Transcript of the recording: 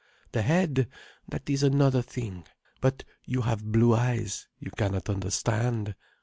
The head—that is another thing. But you have blue eyes, you cannot understand.